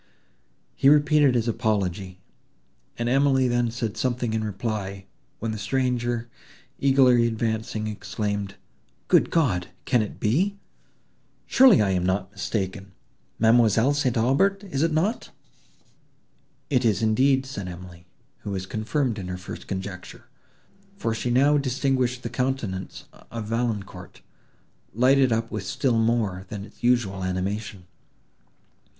He repeated his apology, and Emily then said something in reply, when the stranger eagerly advancing, exclaimed, "Good God! can it be—surely I am not mistaken—ma'amselle St. Aubert?—is it not?" "It is indeed," said Emily, who was confirmed in her first conjecture, for she now distinguished the countenance of Valancourt, lighted up with still more than its usual animation.